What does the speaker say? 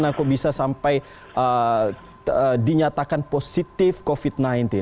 gimana kok bisa sampai dinyatakan positif covid sembilan belas